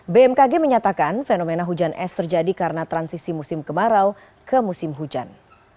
bmkg menyatakan fenomena hujan es terjadi karena transisi musim kemarau ke musim hujan